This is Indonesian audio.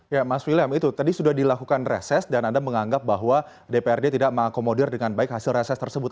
ya mas william itu tadi sudah dilakukan reses dan anda menganggap bahwa dprd tidak mengakomodir dengan baik hasil reses tersebut